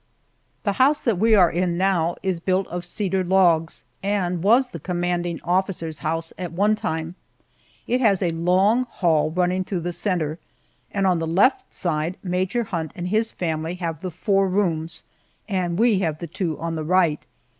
The house that we are in now is built of cedar logs, and was the commanding officer's house at one time. It has a long hall running through the center, and on the left side Major Hunt and his family have the four rooms, and we have the two on the right.